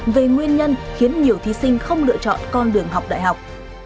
về nguyên nhân khiến nhiều thí sinh không lựa chọn con đường học đại học